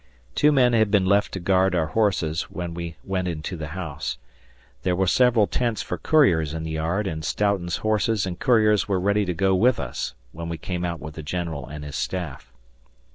Two men had been left to guard our horses when we went into the house. There were several tents for couriers in the yard, and Stoughton's horses and couriers were ready to go with us, when we came out with the general and his staff.